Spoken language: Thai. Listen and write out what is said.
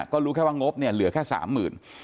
ก็รู้แค่ว่างบเหลือแค่๓๐๐๐๐บาท